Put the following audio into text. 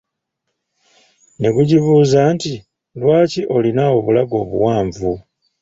Negugibuuza nti, lwaki olina obulago obuwanvu?